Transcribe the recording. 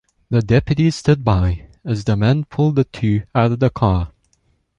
The deputies stood by as the men pulled the two out of the car.